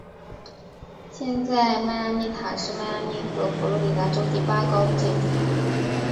现在迈阿密塔是迈阿密和佛罗里达州第八高的建筑。